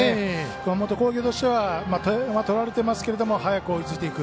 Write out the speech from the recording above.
熊本工業としては点は取られてますけど早く追いついていく。